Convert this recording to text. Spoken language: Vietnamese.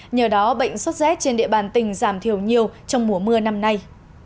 nhờ đó bệnh xuất xét trên địa bàn tỉnh giảm thiểu nhiều trong mùa mưa năm nay